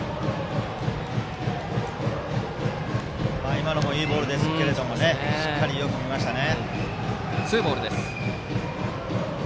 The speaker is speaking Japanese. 今のもいいボールですけどもしっかり、よく見ましたね。